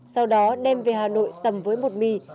sau đó đem về hà nội tầm với bột mì